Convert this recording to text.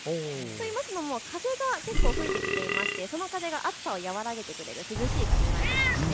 といいますのも風が結構吹いてきていまして、その風が暑さを和らげてくれる涼しい風なんです。